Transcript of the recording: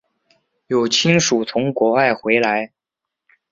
有亲属从国外回来